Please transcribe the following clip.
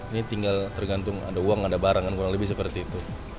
ini tinggal tergantung ada uang ada barang kan kurang lebih seperti itu